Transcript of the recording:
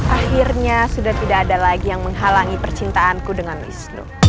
akhirnya sudah tidak ada lagi yang menghalangi percintaanku dengan wisnu